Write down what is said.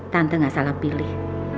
tante gak salah pilih